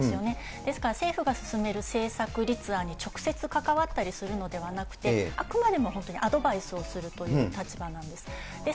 ですから、政府が進める政策立案に直接関わったりするのではなくて、あくまでも本当にアドバイスをするという立場なんです。